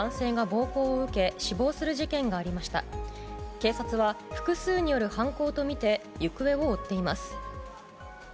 警察は複数による犯行とみて行方を追っています。